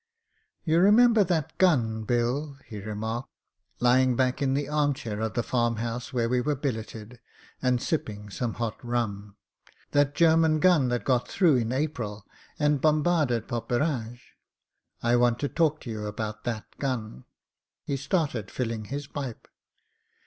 "You remember that gun, Bill," he remarked, Ijring back in the arm chair of the farmhouse where we were billeted, and sipping some hot rum — ^"that Ger man gun that got through in April and bombarded Poperinghe? I want to talk to you about that gun." He started filling his pipe.